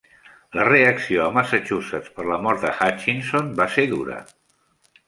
La reacció a Massachusetts per la mort de Hutchinson va ser dura.